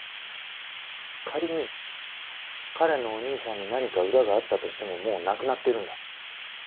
仮に彼のお兄さんに何か裏があったとしてももう亡くなってるんだ。